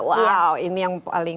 wow ini yang paling